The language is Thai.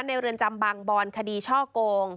ในเรือนจำบังบรคดีช่อโกง